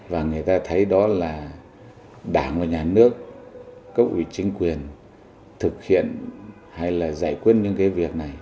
và người ta thấy đó là đảng và nhà nước cấp ủy chính quyền thực hiện hay là giải quyết những cái việc này